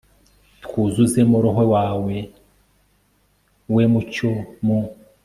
twuzuzemo roho wawe, we mucyo mu